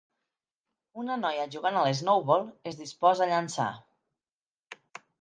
Una noia jugant a l'snowbowl es disposa a llançar.